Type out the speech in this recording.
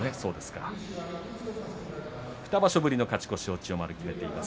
２場所ぶりの勝ち越しを千代丸、決めています。